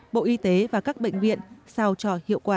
bộ y tế và các bệnh viện sao cho hiệu quả